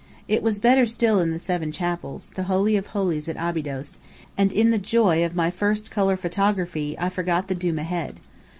It was better still in the Seven Chapels, the holy of holies at Abydos, and in the joy of my first colour photography I forgot the doom ahead.